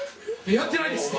やってないですって！